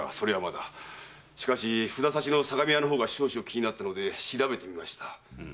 しかし札差の相模屋の方が少々気になり調べてみました。